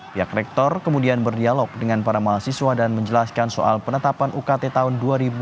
pihak rektor kemudian berdialog dengan para mahasiswa dan menjelaskan soal penetapan ukt tahun dua ribu dua puluh